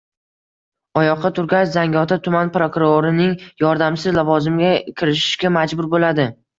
Oyoqqa turgach Zangiota tuman prokurorining yordamchisi lavozimiga kirishishga majbur bo‘ladi.